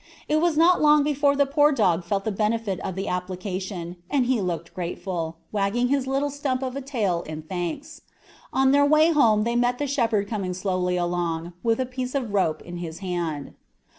It was not long before the poor dog felt the benefit of the application, and he looked grateful, wagging his little stump of a tail in thanks. On their way home they met the shepherd coming slowly along, with a piece of rope in his hand.